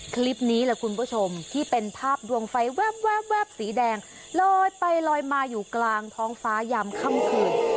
คลิปนี้แหละคุณผู้ชมที่เป็นภาพดวงไฟแวบสีแดงลอยไปลอยมาอยู่กลางท้องฟ้ายามค่ำคืน